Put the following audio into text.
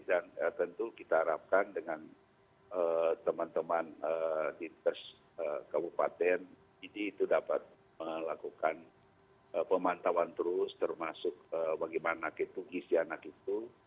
dan tentu kita harapkan dengan teman teman di tes kabupaten ini itu dapat melakukan pemantauan terus termasuk bagaimana itu kisah anak itu